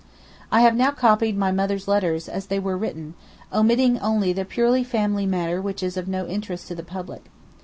I have now copied my mother's letters as they were written, omitting only the purely family matter which is of no interest to the public.